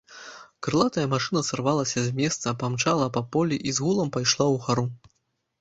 Крылатая машына сарвалася з месца, памчала па полі і з гулам пайшла ўгару.